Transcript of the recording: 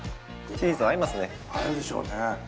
合うでしょうね。